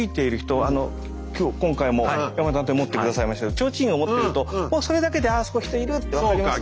今日今回も山田探偵持って下さいましたけどちょうちんを持ってるともうそれだけであそこ人いるって分かりますから。